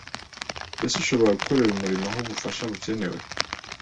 Mbese ushobora gukorera umurimo aho ubufasha bukenewe